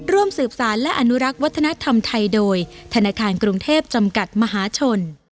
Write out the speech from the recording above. ร่วมสืบสารและอนุรักษ์วัฒนธรรมไทยโดยธนาคารกรุงเทพจำกัดมหาชน